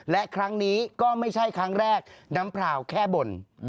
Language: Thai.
และครั้งนี้ก็ไม่ใช่ครั้งแรกน้ำพราวแค่บ่น